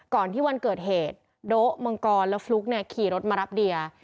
ก่อนที่วันเกิดเหตุโด๊ะมังกรและฟลุ๊กเนี่ยขี่รถมารับเดีย